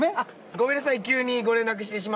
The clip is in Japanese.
ごめんなさい急にご連絡してしまって。